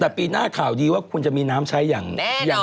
แต่ปีหน้าข่าวดีว่าคุณจะมีน้ำใช้อย่าง